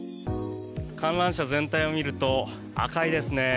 観覧車全体を見ると赤いですね。